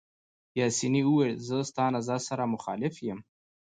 پاسیني وویل: زه ستا له نظر سره مخالف یم.